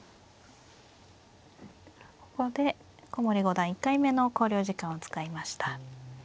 ここで古森五段１回目の考慮時間を使いました。